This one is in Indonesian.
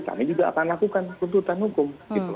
kami juga akan lakukan tuntutan hukum